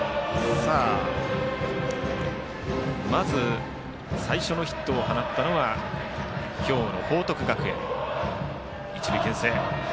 まず最初のヒットを放ったのは兵庫の報徳学園。